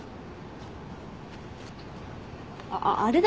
あっあれだ。